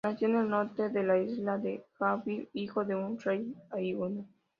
Nació en el norte de la isla de Hokkaidō, hijo de un rey ainu.